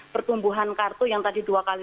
pertumbuhan kartu yang tadi dua kali